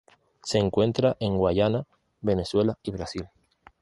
Se encuentra en Guayana, Venezuela y Brasil.